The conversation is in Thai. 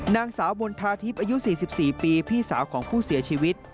นางสาวมณฑาทิพย์อายุ๔๔ปีพี่สาวของผู้เสียชีวิต